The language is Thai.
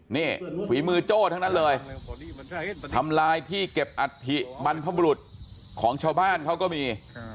นี่ฝีมือโจ้ทั้งนั้นเลยทำลายที่เก็บอัฐิบรรพบุรุษของชาวบ้านเขาก็มี